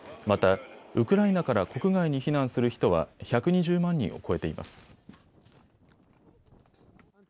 また、ウクライナから国外に避難する人は１２０万人を超えています。